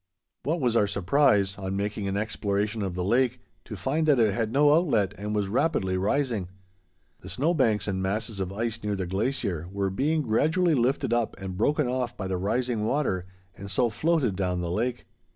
What was our surprise, on making an exploration of the lake, to find that it had no outlet and was rapidly rising! The snow banks and masses of ice near the glacier were being gradually lifted up and broken off by the rising water, and so floated down the lake.